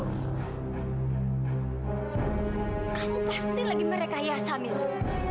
kamu pasti lagi merekayasa mila